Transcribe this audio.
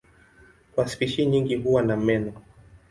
Kwa spishi nyingi huwa na meno.